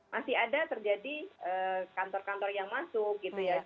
masih ada terjadi kantor kantor yang masuk gitu ya